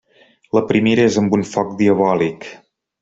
La primera és amb un foc diabòlic.